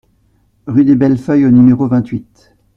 Rue des Belles Feuilles au numéro vingt-huit